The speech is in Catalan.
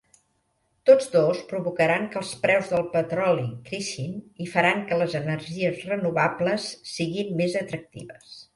Tots dos provocaran que els preus del petroli creixin i faran que les energies renovables siguin més atractives.